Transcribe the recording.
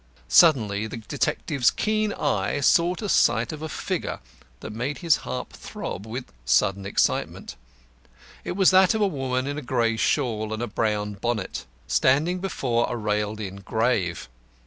Suddenly the detective's keen eye caught sight of a figure that made his heart throb with sudden excitement. It was that of a woman in a grey shawl and a brown bonnet, standing before a railed in grave.